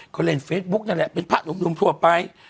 เขาเล่นเฟซบุ๊กนั่นแหละเป็นพระหนุ่มทั่วไป